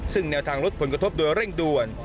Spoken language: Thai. ซึ่งแนวทางลดผลกระทบโดยเร่งด่วน